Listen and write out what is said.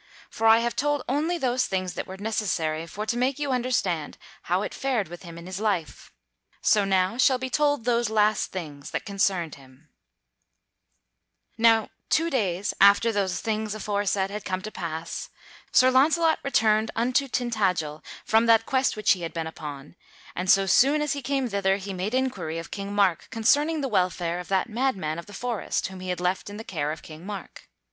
For I have told only those things that were necessary for to make you understand how it fared with him in his life. So now shall be told those last things that concerned him. [Sidenote: Sir Launcelot reproves King Mark] Now two days after those things aforesaid had come to pass, Sir Launcelot returned unto Tintagel from that quest which he had been upon, and so soon as he came thither he made inquiry of King Mark concerning the welfare of that madman of the forest whom he had left in the care of King Mark.